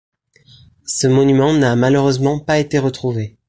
Ce monument n'a malheureusement pas été retrouvé.